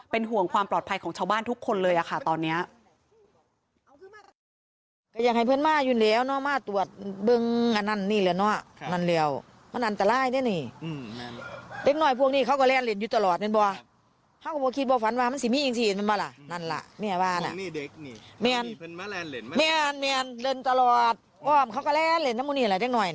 ห่วงความปลอดภัยของชาวบ้านทุกคนเลยค่ะตอนนี้